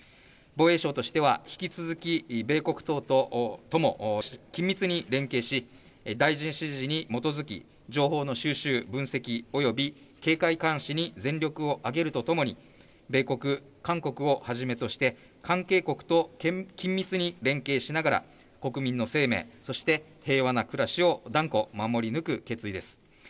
防衛省としては引き続き米国等とも緊密に連携し、大臣指示に基づき、情報の収集・分析および警戒監視に全力を挙げるとともに、米国、韓国をはじめとして、関係国と緊密に連携しながら、国民の生命、そして平和な暮らしを断固守り抜く決意です。